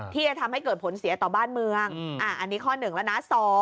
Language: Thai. ที่จะทำให้เกิดผลเสียต่อบ้านเมืองอันนี้ข้อ๑แล้วนะ